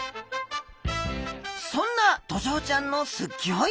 そんなドジョウちゃんのすギョい